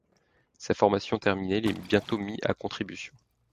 Sa formation terminée il est bientôt mis a contribution.